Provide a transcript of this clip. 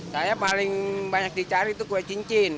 saya paling banyak dicari itu kue cincin